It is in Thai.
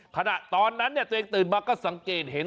ขณะตอนนั้นตัวเองตื่นมาก็สังเกตเห็น